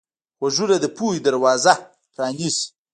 غوږونه د پوهې دروازه پرانیزي